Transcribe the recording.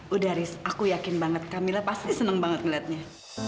sudah riz aku yakin banget kamila pasti senang banget melihatnya